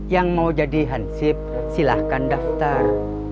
yang mau jadi hansip silahkan daftar